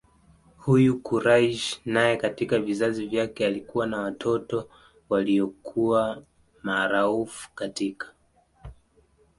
Huyu Quraysh naye katika vizazi vyake alikuwa na watoto waliyokuwa maaraufu katika